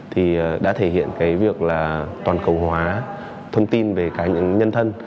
thì đã thể hiện việc toàn cầu hóa thông tin về các nhân thân